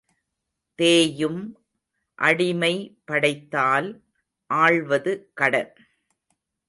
தேயும், அடிமை படைத்தால் ஆள்வது கடன்.